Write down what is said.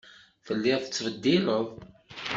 Telliḍ tettbeddileḍ.